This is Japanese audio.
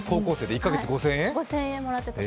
１か月５０００円。